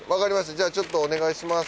じゃちょっとお願いします。